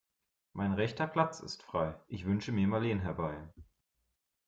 Mein rechter Platz ist frei, ich wünsche mir Marleen herbei.